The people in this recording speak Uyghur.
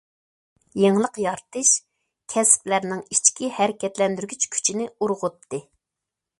يېڭىلىق يارىتىش— كەسىپلەرنىڭ ئىچكى ھەرىكەتلەندۈرگۈچ كۈچىنى ئۇرغۇتتى.